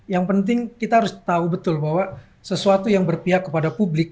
yang penting kita harus tahu betul bahwa sesuatu yang berpihak kepada publik